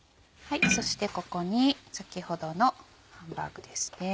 そしてここに先ほどのハンバーグですね。